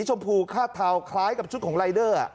ชมพูคาดเทาคล้ายกับชุดของรายเดอร์